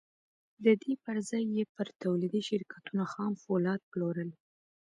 د دې پر ځای یې پر تولیدي شرکتونو خام پولاد پلورل